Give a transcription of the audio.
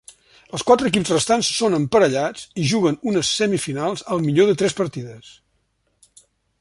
Els quatre equips restants són emparellats i juguen unes semifinals al millor de tres partides.